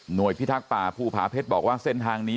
โดยพิทักษ์ป่าภูผาเพชรบอกว่าเส้นทางนี้